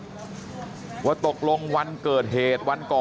ลูกสาวหลายครั้งแล้วว่าไม่ได้คุยกับแจ๊บเลยลองฟังนะคะ